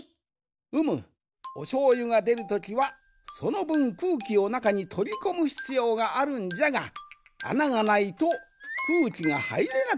うむおしょうゆがでるときはそのぶんくうきをなかにとりこむひつようがあるんじゃがあながないとくうきがはいれなくなってしまう。